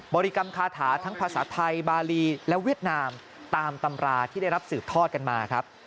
ริกรรมคาถาทั้งภาษาไทยบาลีและเวียดนามตามตำราที่ได้รับสืบทอดกันมาครับ